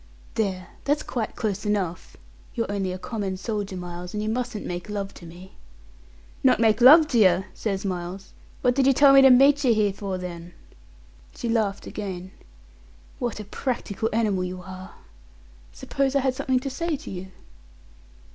"There, that's quite close enough. You're only a common soldier, Miles, and you mustn't make love to me." "Not make love to yer!" says Miles. "What did yer tell me to meet yer here for then?" She laughed again. "What a practical animal you are! Suppose I had something to say to you?"